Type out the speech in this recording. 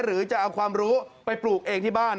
หรือจะเอาความรู้ไปปลูกเองที่บ้าน